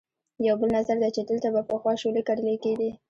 یو بل نظر دی چې دلته به پخوا شولې کرلې کېدې.